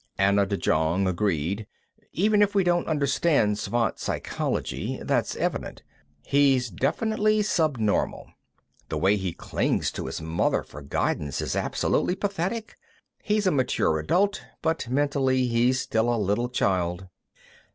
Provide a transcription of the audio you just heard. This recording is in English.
Anna de Jong agreed. "Even if we don't understand Svant psychology, that's evident; he's definitely subnormal. The way he clings to his mother for guidance is absolutely pathetic. He's a mature adult, but mentally he's still a little child."